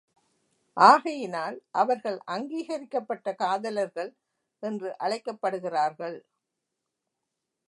ஆகையினால் அவர்கள் அங்கீகரிக்கப்பட்ட காதலர்கள் என்று அழைக்கப்படுகிறார்கள்.